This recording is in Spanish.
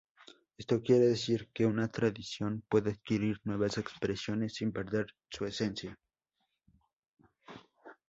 Esto quiere decir que una tradición puede adquirir nuevas expresiones sin perder su esencia.